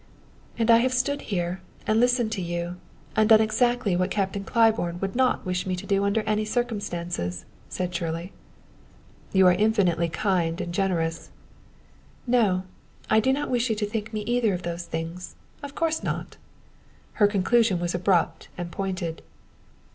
"And I have stood here and listened to you, and done exactly what Captain Claiborne would not wish me to do under any circumstances," said Shirley. "You are infinitely kind and generous " "No. I do not wish you to think me either of those things of course not!" Her conclusion was abrupt and pointed.